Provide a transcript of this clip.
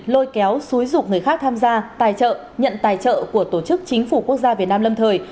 lôi kéo xúi dục người khác tham gia tài trợ nhận tài trợ của tổ chức chính phủ quốc gia việt nam lâm thời